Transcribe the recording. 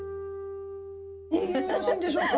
よろしいんでしょうか？